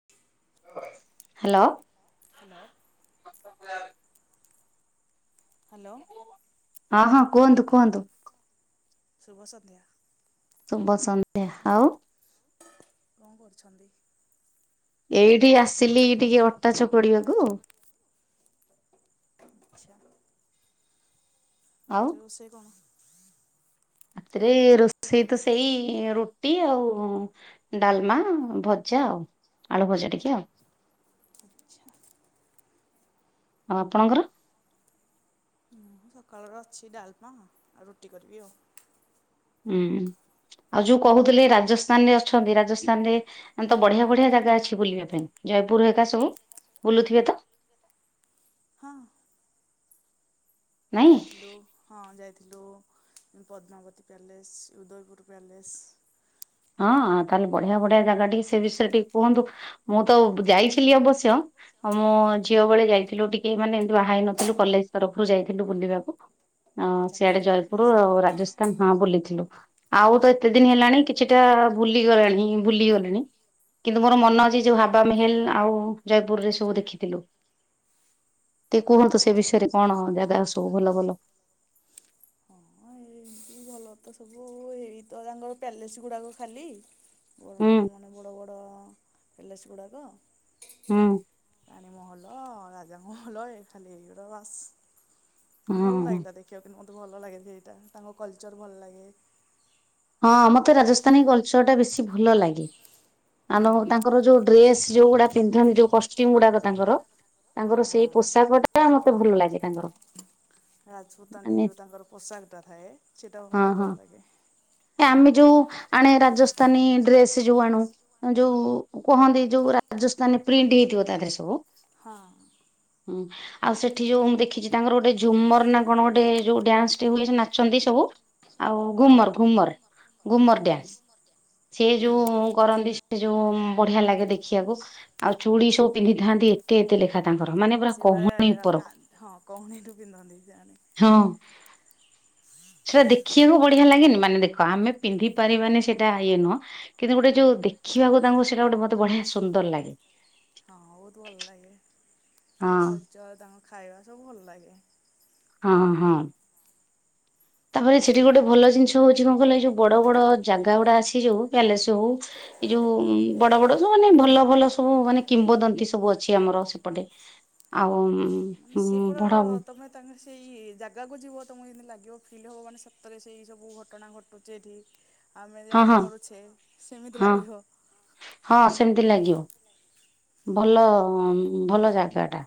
[inaudible] Hello. Hello. Hello. ହଁ ହଁ କୁହନ୍ତୁ କୁହନ୍ତୁ। ଶୁଭ ସନ୍ଧ୍ୟା। ଶୁଭ ସନ୍ଧ୍ୟା। ଆଉ କଣ କରୁଛନ୍ତି? ଏଇଠି ଆସିଲି ଟିକେ ଅଟା ଚକଡି ବାକୁ। ଆଛା। ରାତିରେ ରୋଷେଇ କଣ? ରାତିରେ ରୋଷେଇ ତ ସେଇ ରୁଟି ଆଉ। ଡାଲମା ଭଜା ଆଉ ଆଳୁ ଭଜା ଟିକେ ଆଉ। ଆଚ୍ଛା। ଆଉ ଆପଣଙ୍କର? ମୁଁ ସକାଳର ଅଛି ଡାଲମା ଆଉ ରୁଟି କରିବି ଆଉ। ହୁଁ ଆଉ ଯୋଉ କହୁଥିଲେ ରାଜସ୍ଥାନ ରେ ଅଛନ୍ତି। ରାଜସ୍ଥାନ ରେ ଏ ତ ବଢିଆ ବଢିଆ ଜାଗା ଅଛି ବୁଲିବା ପାଇଁ। ଜୟପୁର ହେ ଏକା ସବୁ ବୁଲୁଥିବେ ତ। ଯାଇଥିଲୁ। ହଁ ଯାଇଥିଲୁ ପଦ୍ମାବତୀ ପ୍ୟାଲେସ୍ ଉଦୟପୁର ପ୍ୟାଲେସ୍। ହଁ ତାହେଲେ ବଢିଆ ବଢିଆ ଜାଗା ଟିକେ ସେ ବିଷୟରେ ଟିକେ କୁହନ୍ତୁ। ମୁଁ ତ ଯାଇଥିଲି ଅବଶ୍ୟ। ଆଉ ମୋ ଝିଅ ବେଳେ ଯାଇଥିଲୁ ଟିକେ ମାନେ ଏମତି ବାହା ହେଇ ନଥିଲୁ କଲେଜ ତରଫରୁ ଯାଇଥିଲୁ ବୁଲିବାକୁ। ଅ ସିଆଡେ ଜୟପୁର ଆଉ ରାଜସ୍ଥାନ ହଁ ବୁଲିଥିଲୁ। ଆଉ ତ ଏତେ ଦିନ ହେଲାଣି। କିଛି ଟା ଭୁଲିଗଲାଣି ଭୁଲିଗଲେଣି। କିନ୍ତୁ ମୋର ମନ ଅଛି। ଯୋଉ ହାବା ମେହେଲ ଆଉ ଜୟପୁରରେ ସବୁ ଦେଖିଥିଲୁ। କି କୁହନ୍ତୁ ସେ ବିଷୟରେ କଣ ଜାଗା ଆସୁ ଭଲ ଭଲ। ହଁଁ ଏ ଏମିତି ଭଲ। ଭଲ ତ ସବୁ ହେଇତ ତାଙ୍କର ପ୍ୟାଲେସ ଗୁଡାକ ଖାଲି। ବଡ ବଡ ପ୍ୟାଲେସ୍ ଗୁଡାକ। ପାଣି ମହଲ ଅ ରାଜା ମହଲ ଖାଲି ବାସ ଭଲ ଲାଗିଲା ଦେଖ ଖିବାକୁ ମୋତେ ଭଲ ଲାଗେ ସେଇଟା। ତାଙ୍କ କଲଚର୍ ଭଲ ଲାଗେ। ହଁ ମତେ ରାଜସ୍ଥାନୀ କଲଚର ଟା ବେଶୀ ଭଲ ଲାଗେ। ଆ ତାଙ୍କର ଯୋଉ ଡ୍ରେସ ଯୋଉ ଗୁଡା ପିନ୍ଧନ୍ତି ଯୋଉ କଷ୍ଟ୍ୟୁମ ଗୁଡାକ ତାଙ୍କର। ହଁ। ରାଜପୁତାନୀ ଯୋଉ ତାଙ୍କର ପୋଷାକ ଟା ଥାଏ ସେଟା ବହୁତ ଭଲ ଲାଗେ ଆମେ ଯୋଉ ଆଣେ ରାଜସ୍ଥାନୀ ଡ୍ରେସ ଯୋଉ ଆଣୁ ଯୋଉ କହନ୍ତି ଯୋଉ ରାଜସ୍ଥାନରେ ପ୍ରିଣ୍ଟ ହେଇଥିବ ତା ଦେହରେ ସବୁ ହଁ ହୁଁ ଆଉ ସେଠି ଯୋଉ ମୁଁ ଦେଖିଛି ତାଙ୍କର ଗୋଟେ ଝୁମର ନା କଣ ଗୋଟେ ଯୋଉ ଡ୍ୟାନ୍ସ ଟେ ହୁଏ ସେ ନାଚନ୍ତି ସବୁ ଆଉ ଘୁମର ଘୁମର ଘୁମର ଡ୍ୟାନ୍ସ ସେ ଯୋଉ କରନ୍ତି ସେ ଯୋଉ ବଢିଆ ଲାଗେ ଦେଖିବାକୁ ଆଉ ଚୁଲି ସବୁ ପିନ୍ଧିଥାନ୍ତି ଏତେ ଏତେ ଲେଖା କ ତାଙ୍କର ମାନେ ପୁରା କହୁଣୀ ଉପରକୁ ହଁ ସେଟା ଦେଖିବାକୁ ବଢିଆ ଲାଗେନି ମାନେ ଦେଖ ଆମେ ପିନ୍ଧି ପାରିବାନି ସେଇଟା ଇଏ ନୁହଁ କିନ୍ତୁ ଗୋଟେ ଯୋଉ ଦେଖିବାକୁ ତାଙ୍କୁ ସେଇଟା ଗୋଟେ ମତେ ବଢିଆ ସୁନ୍ଦର ଲାଗେ ହଁ, ବହୁତ ଭଲ ଲାଗେ। ତାଙ୍କ କଲଚର୍, ତାଙ୍କ ଖାଇବା ସବୁ ଭଲ ଲାଗେ। ହଁ, ହଁ। ତାପରେ ସେଠି ଗୋଟେ ଭଲ ଜିନିଷ ହଉଛି, କଣ କହିଲ, ଏଇ ଯୋଉ ବଡ ବଡ ଜାଗା ଗୁଡା ଆଛି, ଯୋଉ ପ୍ୟାଲେସ ସବୁ ଏଇ ଯୋଉ ବଡ ବଡ ସବ ମାନେ ଭଲ ଭଲ ସବୁ ମାନେ କିମ୍ବଦନ୍ତୀ ସବୁ ଅଛି ଆମର ସେପଟେ। ଆଉ ମାନେ, ସେ ପଡ ତମେ ତାଙ୍କର ସେଇ ଜାଗାକୁ ଯିବ, ତମକୁ ଯେମିତି ଲାଗିବ ଫିଲ୍ ହେବ, ମାନେ ସତରେ ସେଇ ସବୁ ଘଟଣା ଘଟୁଛି ଏଠି। ଆମେ ଜାଣିପାରୁଛେ, ସେମିତି ଲାଗିବ। ହଁ, ସେମିତି ଲାଗିବ। ଭଲ, ଭଲ ଜାଗାଟା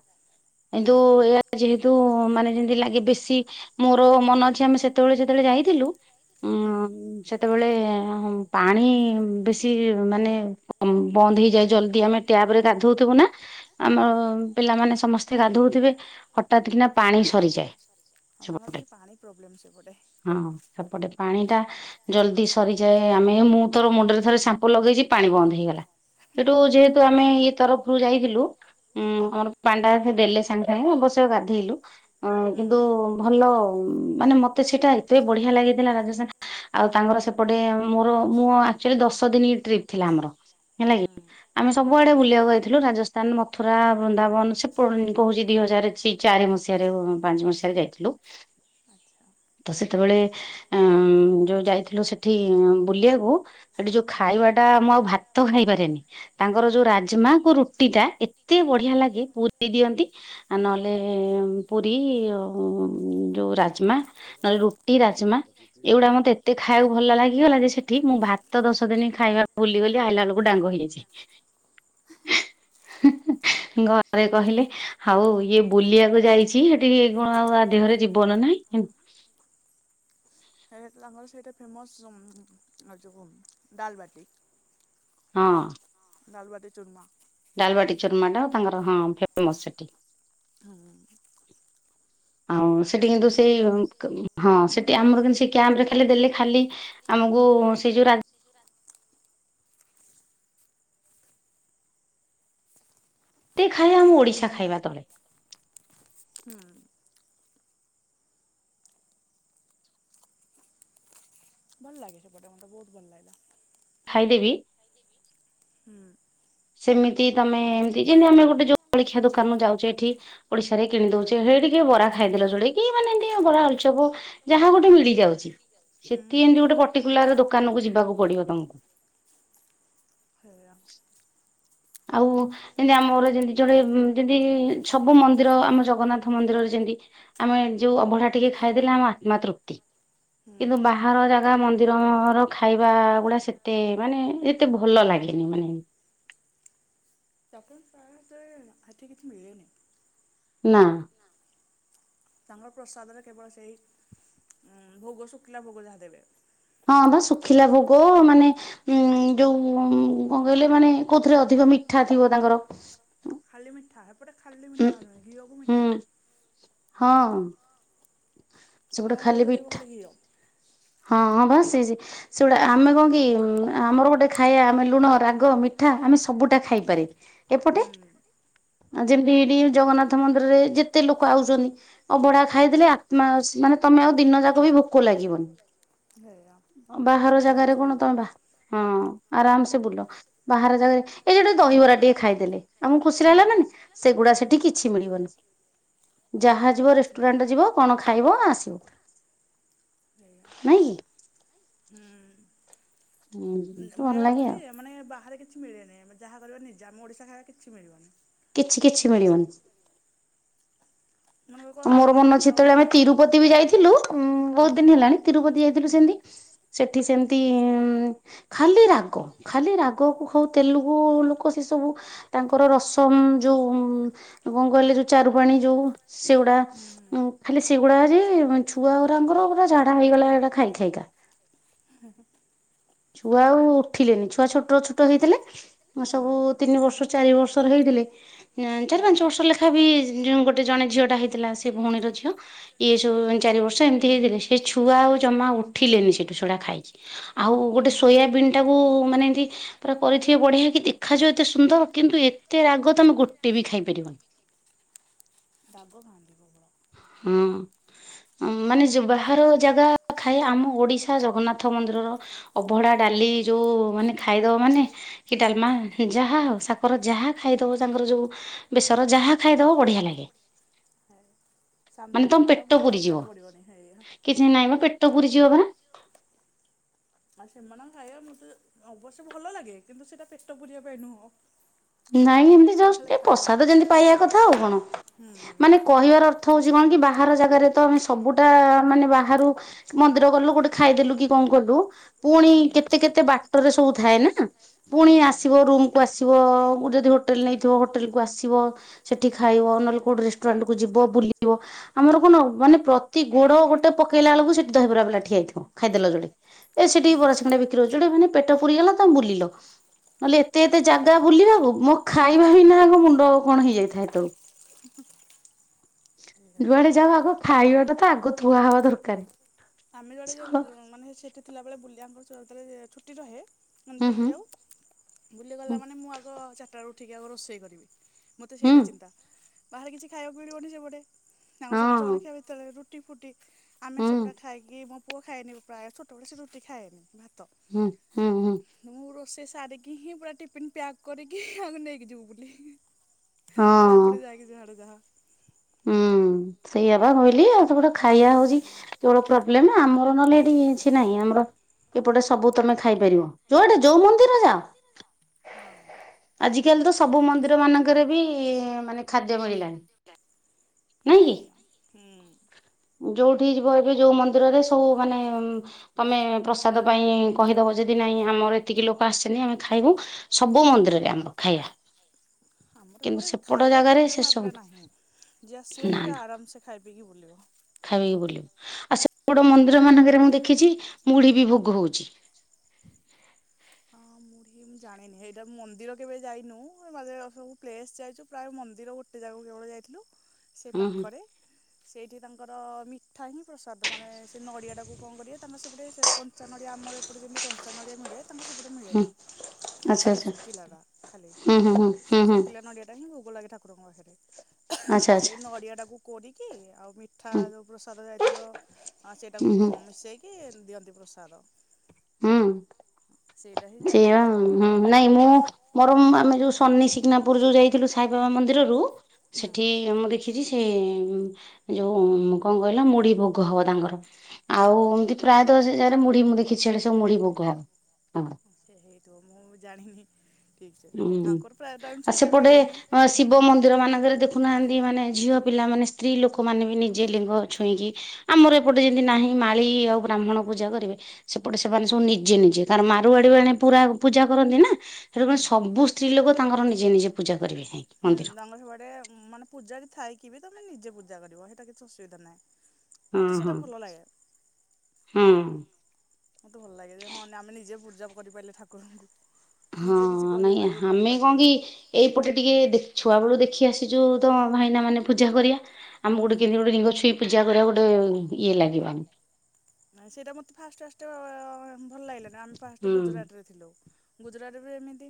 କିନ୍ତୁ, ଏହା ଯେହେତୁ ତୁ ମାନେ ଯେମତି ଲାଗେ, ବେଶୀ ମୋର ମନ ଅଛି, ଆମେ ସେତେବେଳେ ସେତେବେଳେ ଯାଇଥିଲୁ। ହୁଁ। ସେତେବେଳେ [inaudible] ପାଣି ବେଶୀ ମାନେ ବନ୍ଦ ହେଇଯାଏ, ଜଲଦି ଆମେ ଟ୍ୟାବ ରେ ଗାଧଉଥିବୁ ନା ଆମର ପିଲାମାନେ ସମସ୍ତେ ଗାଧୋଉଥିବେ, ହଠାତ୍ କିନା ପାଣି ସରିଯାଏ। ହଁ, ତମର ଟିକେ ପାଣି ପ୍ରବ୍ଲେମ୍‌ ସେପଟେ। ହଁ, ସେପଟେ ପାଣି ଟା ଜଲଦି ସରିଯାଏ। ଆମେ ମୁଁ ଥର ମୁଣ୍ଡରେ ଥରେ ସାମ୍ପୁ ଲଗେଇଛି, ପାଣି ବନ୍ଦ ହେଇଗଲା। ସେଠୁ ଯେହେତୁ ଆମେ ଏଇ ତରଫରୁ ଯାଇଥିଲୁ। ଉଁ, ଆମର ପାଣ୍ଡା ଦେଲେ ସାଙ୍ଗେ ସାଙ୍ଗେ ଅବଶ୍ୟ ଗାଧେଇଲୁ। ଉ-କିନ୍ତୁ ଭଲ-ଉ-ମାନେ ମତେ ସେଇଟା ଏତେ ବଢିଆ ଲାଗିଥିଲା। ରାଜସେନ ଆଉ ତାଙ୍କର ସେ ସେପଟେ ମୋର, ମୁଁ ଆକ୍ଚୁଆଲି ଦଶ ଦିନ ଟ୍ରିପ୍ ଥିଲା ଆମର। ହେଲା କି ଆମେ ସବୁଆଡେ ବୁଲିବାକୁ ଯାଇଥିଲୁ। ରାଜସ୍ଥାନ, ମଥୁରା, ବୃନ୍ଦାବନ ସେ କହୁଛି ଦି ହଜାରଛିି ଚାରି ମସିହାରେ-ପାଞ୍ଚ ମସିହାରେ ଯାଇଥିଲୁ। [inaudible] ତ, ସେତେବେଳେ ଅ-ଯୋଉ ଯାଇଥିଲୁ, ସେ ଏଠି ବୁଲିବାକୁ। ସେଠି ଯୋଉ ଖାଇବାଟା, ମୁଁ ଆଉ ଭାତ ଖାଇପାରେନି। ତାଙ୍କର ଯୋଉ ରାଜମା କୁ ରୁଟି ଟା ଏତେ ବଢିଆ ଲାଗେ। ପୁରୀ ଦିଅନ୍ତି। ଆ ନହେଲେ, ପୁରୀ ଯୋଉ ରାଜମା ନହେଲେ ରୁଟି ରାଜମା, ଏଇଗୁଡା ମତେ ଏତେ ଖାଇବାକୁ ଭଲ ଲାଗିଗଲା ଯେ, ସେଠି ମୁଁ ଭାତ ଦଶ ଦିନ ଖାଇବା ବୁଲିଗଲି। ଆାଇଲା ବେଳକୁ ଡାଙ୍ଗ ହେଇଯାଇଛି। [unintelligible] ଘରେ କହିଲେ, ହଉ, ଇଏ ବୁଲିବାକୁ ଯାଇଛି ସେ ସେ ଏଇ ଗୁଣ ଆ ଦେହରେ ଜୀବନ ନାହିଁ। ହେଇଥିଲା ଆମର ସେଇଟା ଫେମସ୍, ଉ-ମ-ଯେଉଁ ଡାଲବାଟି। ହଁ। ଡାଲବାଟି ଚୂର୍ମା। ଡାଲବାଟି ଚୁର୍ମାଟା ତାଙ୍କର ହଁ, ଫେମସ୍ ସେଠି। ହଁ। ଆଉ ସେଠି କିନ୍ତୁ ସେଇ -କ- ହଁ, ସେଠି ଆମର କିନ ସେ କ୍ୟାମ୍ପରେ ଖାଲି ଦେଲେ, ଖାଲି ଆମକୁ ସେ ଯୋଉ ତେ ଖାଇଆ, ଆମ ଓଡିଶା ଖାଇବା ତଳେ। ହୁଁ। ଭଲ ଲାଗେ, ସେପଟେ ମତେ ବହୁତ ଭଲ ଲାଗିଲା। ଖାଇଦେବି। ହୁଁ। ସେମିତି ତମେ, ଏମିତିକି ନହେଲେ ଗୋଟେ ଯୋଉ ଜଳିଖିଆ ଦୋକାନ ଯାଉଚ, ଏଠି ଓଡିଶାରେ କିଣି ଦଉଛେ, ହେଇ ଟିକେ ବରା ଖାଇଦେଲା ଯୋଡ଼େ, କି ମାନେ ଏମିତି ବରା, ଆଳୁଚପ ଯାହା ଗୋଟେ ମିଳିଯାଉଛି ସେଠି ଏମିତି ଗୋଟେ ପର୍ଟିକୁଲାର ଦୋକାନକୁୁ ଯିବାକୁ ପଡିବ ତମକୁ। ସେଇଆ। ଆଉ ଯେମିତି ଆମର ଯେମିତି ଜଣେ ଯେମିତି ସବୁ ମନ୍ଦିର ଆମ ଜଗନ୍ନାଥ ମନ୍ଦିରରେ ଯେମିତି ଆମେ ଯୋଉ ଅଭଢା ଟିକେ ଖାଇଦେଲେ ଆମ ଆତ୍ମା ତୃପ୍ତି। କିନ୍ତୁ ବାହାର ଜାଗା ମନ୍ଦିରର ଖାଇବା ଗୁଡା ସେତେ ମାନେ ଏ ଏତେ ଭଲ ଲାଗେନି ମାନେ ଆପଣ ସା ଯେ ହାତ କିଛି ମିଳୁନି। ନା। ତାଙ୍କ ପ୍ରସାଦରେ କେବଳ ସେଇ ଉ ଭୋଗ ଶୁଖିଲା ଭୋଗ ଯାହା ଦେବେ। ହଁ ବା ଶୁଖିଲା ଭୋଗ ମାନେ ଉଁ ଯୋଉ କଣ କହିଲେ ମାନେ କୋଉଥିରେ ଅଧିକ ମିଠା ଥିବ ତାଙ୍କର। ଖାଲି ମିଠା ଏପଟେ ଖାଲି ମିଠା ହବନି ଘିଅକୁ ମିଠା। ହଁ। ତା ଯୋଉଥିରୁ ଭଲ ଘିଅ। ହଁ ହଁ ବା ସେଇ ଜି ସେଗୁଡା ଆମେ କଣ କି ଆମର ଗୋଟେ ଖାଇବା ଆମେ ଲୁଣ ରାଗ ମିଠା ଆମେ ସବୁଟା ଖାଇପାରେ। ଏପଟେ ଯେମିତି ଏଠି ଜଗନ୍ନାଥ ମନ୍ଦିରରେ ଯେତେ ଲୋକ ଆଉଛନ୍ତି। ଅବଢା ଖାଇଦେଲେ ଆତ୍ମା ମାନେ ତମେ ଆଉ ଦିନ ଯାକ ବି ଭୋକ ଲାଗିବନି। ବଲା ବାହାର ଜାଗାରେ କଣ ତମେ ବା ହଁ ଆରାମ ସେ ବୁଲ ବାହାର ଜାଗାରେ ଏଇ ଯୋଉ ଦହିବରା ଟିକେ ଖାଇଦେଲେ। ଆମକୁ ଖୁସି ଲଗିଲା ମାନେ ସେଗୁଡା ସେଠି କିଛି ମିଳିବନି ଯାହା ଯିବ ରେଷ୍ଟୁରାଣ୍ଟ ଯିବ। କଣ ଖାଇବ ଆସିବ? ସେଇଆ। ନୁହଁ କି? ହୁଁ ମୁଁ ଏଇଆ ବା କହିଲି। ମାନେ ବାହାରେ କିଛି ମିଳେନି ଯାହା କରିବ ନିଜେ ଆମ ଓଡ଼ିଶା ଖାଇବା କିଛି ମିଳିବନି। କିଛି କିଛି ମିଳିବନି। ମୋର ମନ ଅଛି ସେତେବେଳେ ଆମେ ତିରୁପତି ବି ଯାଇଥିଲୁ ଉ ବହୁତ ଦିନ ହେଲାଣି ତିରୁପତି ଯାଇଥିଲୁ ସେମିତି ସେଠି ସେମିତି ଉ ଉ ଖାଲି ରାଗ ଖାଲି ରାଗ କୁ ଖାଉ ତେଲୁଗୁ ଲୋକ ସେ ସବୁ ତାଙ୍କର ରସମ ଯୋଉ କଣ କହିଲେ ଯୋଉ ଚାରୁ ପାଣି ଯୋଉ ସେଗୁଡ଼ା ଉଁ ଖାଲି ସେଗୁଡା ଯେ ଛୁଆ ଗୁରାଙ୍କର ପୁରାଝାଡା ହେଇଗଲା ଏଟା ଖାଇ ଖାଇକା। ହୁଁ ହୁଁ। ଛୁଆ ଆଉ ଉଠିଲେନି ଛୁଆ ଛୋଟ ଛୋଟ ହେଇଥିଲେ ସବୁ ତିନି ବର୍ଷ ଚାରି ବର୍ଷର ହେଇଥିଲେ। ଚାରି ପାଞ୍ଚ ବର୍ଷ ଲେଖା ବି ଗୋଟେ ଜଣେ ଝିଅ ଟା ହେଇଥିଲା ସେ ଭଉଣୀର ଝିଅ। ଇଏ ସବୁ ଏଁ ଚାରି ବର୍ଷ ଏମିତି ହେଇଥିଲେ ସେ ଛୁଆ ଆଉ ଜମା ଉଠିଲେନି ସେଇଠୁ ସେ ଗୁଡ଼ା ଖାଇକି। ଆଉ ଗୋଟେ ସୋୟାବିନ୍ ଟାକୁ ମାନେ ଏମିତି। ପୁରା କରିଥିବେ ବଢିଆ କି ଦେଖାଯିବ ଏତେ ସୁନ୍ଦର କିନ୍ତୁ ଏତେ ରାଗ ତମେ ଗୋଟେ ବି ଖାଇପାରିବ ଦାଗ ଖାଆନ୍ତି ପ୍ରବଳ। ହୁଁ। ଉଁ ମାନେ ଜ ବାହାର ଜାଗା ଖାଏ ଆମ ଓଡିଶା ଜଗନ୍ନାଥ ମନ୍ଦିରର। ଅଭଡା, ଡାଲି ଯୋଉ ମାନେ ଖାଇଦବ ମାନେ। କି ଡାଲମା ଯାହା ହଉ ସାକର ଯାହା ଖାଇଦବ ତାଙ୍କର ଯୋଉ। ବେଶର ଯାହା ଖାଇଦବ ବଢିଆ ଲାଗେ। ଶାନ୍ତି ମାନେ ଆଉ କିଛି ଦରକାର ପଡିବନି ହେଇଆ। କିଛି ନାଇଁ ମ ପେଟ ପୁରିଯିବ ପରା। ଆଉ ସେମାନଙ୍କ ଖାଇବା ମୋତେ ଅବଶ୍ୟ ଭଲ ଲାଗେ କିନ୍ତୁ ସେଇଟା ପେଟ ପୁରିବା ପାଇଁ ନୁହଁ। ନାଇଁ ଏମିତି ଜଷ୍ଟ ଟିକେ ପ୍ରସାଦ ଜେମିତି ପାଇଆ କଥା ଆଉ କଣ ମାନେ କହିବାର ଅର ଥ ହଉଛି କଣ କି ବାହାର ଜାଗାରେ ତ ଆମେ ସବୁଟା ମାନେ ବାହାରୁ। ମନ୍ଦିର ଗଲୁ କୋଉଠି ଖାଇଦେଲୁ କି କଣ କଲୁ। ପୁଣି କେତେ କେତେ ବାଟରେ ସବୁ ଥାଏ ନା ପୁଣି ଆସିବ ରୁମକୁୁ ଆସିବ। କଉଠି ଯଦି ହୋଟେଲ ନେଇଥିବ ହୋଟେଲକୁ ଆସିବ ସେଠି ଖାଇବ ନହେଲେ କଉଠି ରେଷ୍ଟୁରାଣ୍ଟକୁ ଯିବ ବୁଲିବ। ଆମର କଣ ମାନେ ପ୍ରତି ଗୋଡ ଗୋଟେ ପକେଇଲା ବେଳକୁ ସେଠି ଦହିବରା ବାଲା ଠିଆ ହେଇଥିବ ଖାଇଦେଲ ଯୋଡେ। ଏ ସେଠି ବରା, ସିଙ୍ଗଡା ବି କ୍ରି ହଉଚି ଯୋଉଟା ମାନେ ପେଟ ପୁରିଗଲା ତମେ ବୁଲିଲ ନହେଲେ ଏତେ ଏତେ ଜାଗା ବୁଲିବାକୁ। ମୋ ଖାଇବା ବିନା ଆଗ ମୁଣ୍ଡ କଣ ହେଇଯାଇଥାଏ ହେତେବେଳୁ। ଯୁଆଡେ ଯାଅ ଆଗ ଖାଇବାଟା ତ ଆଗ ଥୁଆ ହବା ଦରକାରେ। ଆମେ ଯୁଆଡେ ଯାଉ ଯୁଁ ମାନେ ସେଠି ଥିଲାବେଳେ ବୁଲି ଆଙ୍କର ଛୁଆ ଯେତେବେଳେ ଛୁଟି ରହେ ମାନେ ବୁଲି ଯାଉ। ବୁଲି ଗଲା ମାନେ ମୁଁ ଆଗ ଚାରିଟାବେଳୁ ଉଠିକି ଆଗ ରୋଷେଇ କରିବି। ମତେ ସେଇଟା ଚିନ୍ତା ବାହାରେ କିଛି ଖାଇବାକୁ ମିଳିବନି ସେପଟେ ଆମର ସବୁ ଜଳଖିଆ କେତେବେଳେ ରୁଟି ଫୁଟି ଆମେ ସେଗୁଡା। କି ମୋ ପୁଅ ଖାଏନି ଉ ପ୍ରାୟ ଛୋଟବେଳୁ ସେ ରୁଟି ଖାଏନି ଭାତ। ହୁଁ ହୁଁ ହୁଁ। ମୁଁ ରୋଷେଇ ସାରିକି ହିଁ ପୁରା ଟିଫିନ ପ୍ୟାକ୍ କରିକି ଆକୁ ନେଇକି ଯିବୁ ବୁଲି। ତାପରେ ଯାଇକି ଯୁଆଡେ ଯାହା। ହୁଁ ସେଇଆ ବା କହିଲି ଆଉ ସେପଟ ଖାଇଆ ହଉଛି। ତୋର ପ୍ରୋବ୍ଲେମ ନା ଆମର ନହେଲେ ଏଠି କିଛି ନାହିଁ ଆମର। ଏପଟେ ସବୁ ତମେ ଖାଇପାରିବ ଯୁଆଡେ ଯୋଉ ମନ୍ଦିର ଯାଅ। ଆଜିକାଲି ତ ସବୁ ମନ୍ଦିର ମାନଙ୍କରେ ବି ମାନେ ଖାଦ୍ୟ ମିଳିଲାଣି। ସେଇଆ ହୁଁ। ଉଁ ଯଉଠିକି ଯିବ ଏବେ ଯୋଉ ମନ୍ଦିରରେ ସବୁ ମାନେ ଉଁ ତମେ ପ୍ରସାଦ ପାଇଁ କହିଦବ ଯଦି ନାଇଁ ଆମର ଏତିକି ଲୋକ ଆସିନେ ଆମେ ଖାଇବୁ। ସବୁ ମନ୍ଦିରରେ ଆମର ଖାଇଆ। ଆମର ଏପଟେ ଖାଇବା ପ୍ରୋବ୍ଲେମ ଏପଟେ ନାହିଁ। ଯିଏ ଆସିବ କି ସେ ଆରାମସେ ଖାଇ ପିକି ବୁଲିବ। ଖାଇ ପିକି ବୁଲିବ ଆଉ ସେପଟ ମନ୍ଦିରମାନଙ୍କରେ ମୁଁ ଦେଖିଚି ମୁଢି ବି ଭୋଗ ହଉଛି। ହଁ ମୁଢି। ଇ ମୁଁ ଜାଣିନି ଏହିଟା ମନ୍ଦିର କେବେ ଯାଇନୁ ଏ ମଝିରେ ସବୁ ପ୍ଲେସ ଯାଇଛୁ ପ୍ରାୟ ମନ୍ଦିର ଗୋ ଗୋଟେ ଜାଗାକୁ କେବଳ ଯାଇଥିଲୁ ସେ ପାଖରେ। ସେଇଠି ତାଙ୍କର ମିଠା ହିଁ ପ୍ରସାଦ ମାନେ ସେ ନଡ଼ିଆଟାକୁ କଣ କରିବେ ତାଙ୍କ ସେପଟେ ସେ କଞ୍ଚା ନଡ଼ିଆ ଆମର ଏପଟେ ଯେମିତି କଞ୍ଚା ନଡ଼ିଆ ମିଳେ ତାଙ୍କ ସେପଟେ ମିଳେନି। ହଁ ସେଇଟା ଶୁଖିଲା ଗା ଖାଲି ସେ ଶୁଖିଲା ନଡିଆ। ଟା ହିଁ ଭୋଗ ଲାଗେ ଠାକୁରଙ୍କ ପାଖରେ ସେଇ ନଡିଆ ଟାକୁ କୋରିକି ଆଉ ମି ମିଠା ଯୋଉ ପ୍ରସାଦ ଯାଇଥିବ ଆ ସେଇଟାକୁ [unintelligible] ମିଶେଇକି ଦିଅନ୍ତି ପ୍ରସାଦ। ସେଇଟା ହିଁ ଯାଇ [unintelligible] ହଁ ନାଇଁ ମୁଁ ବରଂ ଆମେ ଯୋଉ ଶନ୍ନି ସିଂଗ୍ନାପୁର ଯୋଉ ଯାଇଥିଲୁ ସାଇବାବା ମନ୍ଦିରରୁ ସେଠି ଆମ ଦେଖି ସେ ଯୋଉ କଣ କହିଲା ମୁଢି ଭୋଗ ହବ ତାଙ୍କର ଆଉ ଏମତି ପ୍ରାୟତଃ ସେ ଯାଗାରେ ମୁଢି ମୁଁ ଦେଖଛି ସିଆଡେ ସବୁ ମୁଢି ଭୋଗ ହଏ [unintelligible] ସେ ହେଇଥିବ ମୁଁ ଜାଣିନି। ହୁଁ ଆଉ ସେପଟେ ଶିବ ମନ୍ଦିର ମାନଙ୍କରେ ଦେଖୁ ନାହାନ୍ତି ମାନେ ଝିଅ ପିଲାମାନେ ସ୍ତ୍ରୀ ଲୋକମାନେ ବି ନିଜେ ଲିଙ୍ଗ ଛୁଇଁକି ଆମର ଏପଟେ ଯେମିତି ନାହିଁ ମାଳି ଆଉ ବ୍ରାହ୍ମଣ ପୂଜା କରିବେ ସେପଟେ ସେମାନେ ସବୁ ନିଜେ ନିଜେ କାରଣ ମାରୁଆଡି ମନେ ପୁରା ପୂଜା କରନ୍ତି ନା ସବୁ ସ୍ତ୍ରୀ ଲୋକ ତାଙ୍କର ନିଜେ ନିଜେ ପୂଜା କରିବେ ଯାଇଁ। ହୁଁ ତାଙ୍କ ସେପଟେ ମାନେ ପୂଜାରୀ ଥାଇକି ବି ତମେ ନିଜେ ପୂଜା କରିବ ସେଇଟା କିଛି ଅସୁବିଧା ନାହିଁ। ହୁଁ ହୁଁ ଉ। ମତେ ଭଲ ଲାଗେ ଯେ, ହଁ ଆମେ ନିଜେ ବୁଜା କରି ପାରିଲେ ଠାକୁରଙ୍କୁ ହଁ ନାଇଁ ଆମେ କଣ କି? ଏଇପଟେ ଟିକେ ଛୁଆବେଳୁ ଦେଖି ଆସିଛୁ, ତ ଭାଇନା ମାନେ ପୂଜା କରିବା। ଆମେ ଗୋଟେ କେମିତି ଗୋଟେ ନିଙ୍ଗଛୁଇଁ ପୂଜା କରିବାକୁ, ଗୋଟେ ଇଏ ଲାଗିବ। ନାଇଁ ସେଇଟା ମତେ ଫାଷ୍ଟ ଫାଷ୍ଟ ଭଲ ଲାଗିଲାନି, ଆମେ ଫାଷ୍ଟ ଗୁଜୁରାଟରେ ଗୁଜୁରାଟରେ ବି ମାନେ ଏମିତି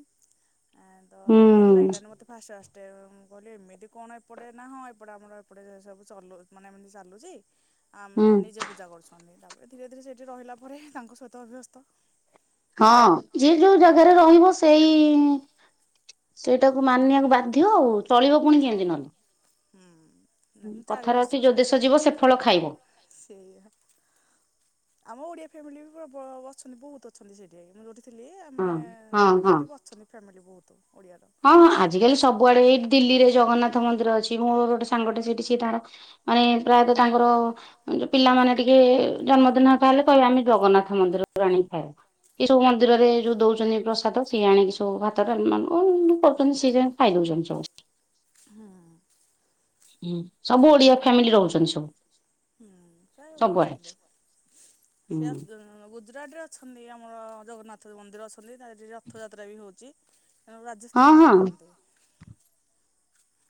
ତ ଭଲଲାଗିଲାଣି। ଫାଷ୍ଟ ଫାଷ୍ଟେ ମୁଁ କହିଲି ଏମିତି କଣ ଏପଟେ ନା ହଁ, ଏପଟେ ଆମର ଏପଟେ ସବୁ ଚଲୁଛି। ମନେ ମନେ ଚାଲୁଛି। ଆମ ନିଜେ ପୂଜା କରୁଛନ୍ତି, ତାପରେ ଧୀରେ ଧୀରେ ସେଇଠି ରହିଲା ପରେ ତାଙ୍କ ସହିତ ଅଭ୍ୟସ୍ତ। ହଁ ଯେ ଯୋଉ ଜାଗାରେ ରହିବ ସେଇ ସେଇଟାକୁ ମାନିବାକୁ ବାଧ୍ୟ ଆଉ ଚଳିବ ପୁଣି କେମିତି ନହେଲେ? ହୁଁ ନା ମୁଁ ଚାରି ବର୍ଷ ସେଇଠି ରହିଲି, ସେୟା ଆମ ଓଡିଆ ଫ୍ୟାମିଲି ବି ଅଛନ୍ତି, ବହୁତ ଅଛନ୍ତି ସେଠି ମୁଁ ଥିଲି ଆମେ ସେଇଠି ଅଛନ୍ତି, ଫ୍ୟାମିଲି ବହୁତ। ହଁ ହଁ ଆଜିିକାଲି ସବୁଆଡେ ଏଇଠି ଦିଲ୍ଲୀରେ ଜଗନ୍ନାଥ ମନ୍ଦିର ଅଛି, ମୋ ଗୋଟେ ସାଙ୍ଗଟେ ସେଇଠି ସେ ତାର ମାନେ ପ୍ରାୟତଃ ତାଙ୍କର ଯୋଉ ପିଲାମାନେ ଟିକେ ଜନ୍ମଦିନ ହେଲେ କହିବେ, ଆମେ ଜଗନ୍ନାଥ ମନ୍ଦିରରୁ ଆଣିକି ଖାଇବୁ। ଏ ସବୁ ମନ୍ଦିରରେ ଯୋଉ ଦଉଛନ୍ତି ପ୍ରସାଦ, ସିଏ ଆଣିକି ସବୁ ଭାତ, ଡାଲମା ହଁ ମୁଁ ବର୍ତ୍ତମାନ ସିଜନ ଖାଇ ଦଉଛନ୍ତି। ହଁ। ହୁଁ ସବୁ ଓଡିଆ ଫ୍ୟାମିଲି ରହୁଛନ୍ତି ସବୁ ହୁଁ ପ୍ରାୟ ରହୁଛନ୍ତି, ସେୟା ଗୁଜୁରାଟରେ ଅଛନ୍ତି, ଆମର ଜଗନ୍ନାଥ ମନ୍ଦିର ଅଛନ୍ତି ତାରେ ରଥଯାତ୍ରା ବି ହଉଛି। ତେଣୁ ରାଜସ୍ଥାନରେ ନାହାନ୍ତି।